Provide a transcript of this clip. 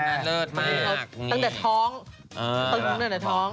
สนานเลิศมากนี่ตั้งแต่ท้องตั้งแต่ท้อง